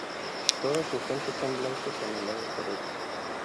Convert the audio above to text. Toda su gente son blancos en el lado derecho".